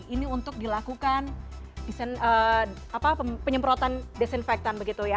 ini untuk dilakukan penyemprotan desinfektan